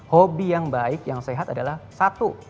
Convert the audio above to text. hobi yang baik yang sehat adalah satu